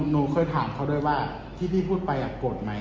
หนูเคยถามเขาด้วยว่าที่พี่พูดไปโกรธไหม